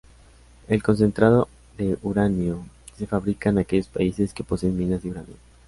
El concentrado de uranio se fabrica en aquellos países que poseen minas de uranio.